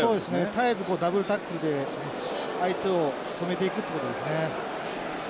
絶えずダブルタックルで相手を止めていくっていうことですね。